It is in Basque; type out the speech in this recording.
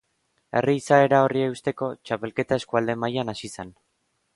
Herri izaera horri eusteko, txapelketa eskualde mailan hasi zen.